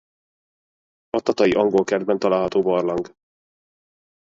A tatai Angolkertben található barlang.